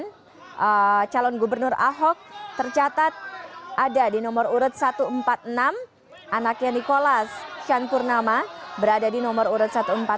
dan calon gubernur ahok tercatat ada di nomor urut satu ratus empat puluh enam anaknya nikola shan purnama berada di nomor urut satu ratus empat puluh tujuh